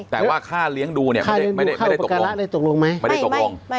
แต่ว่าค่าเลี้ยงดูเนี่ยไม่ได้ตกลง